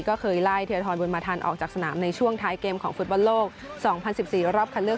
ก็เคยไล่เทียทรบุญมาทันออกจากสนามในช่วงท้ายเกมของฟุตบอลโลก๒๐๑๔รอบคัดเลือก